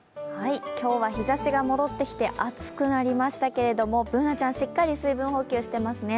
今日は日ざしが戻ってきて暑くなりましたけれどもＢｏｏｎａちゃん、しっかり水分補給してますね。